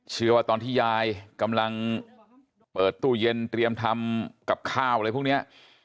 ตอนที่ยายกำลังเปิดตู้เย็นเตรียมทำกับข้าวอะไรพวกนี้